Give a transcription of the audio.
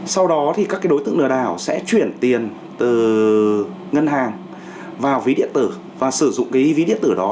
sau đó thì các đối tượng lừa đảo sẽ chuyển tiền từ ngân hàng vào ví điện tử và sử dụng cái ví điện tử đó